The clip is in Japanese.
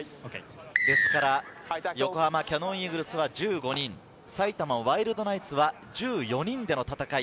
横浜キヤノンイーグルスは１５人、埼玉ワイルドナイツは１４人での戦い。